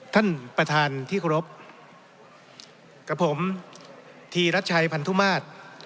ท่านประธานที่เคารพกับผมธีรัชชัยพันธุมาตร